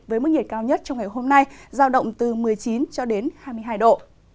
với mức nhiệt cao nhất trong ngày hôm nay giao động từ một mươi chín hai mươi hai độ